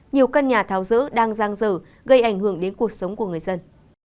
nhiều căn nhà tháo rỡ đang giang dở gây ảnh hưởng đến cuộc sống của người dân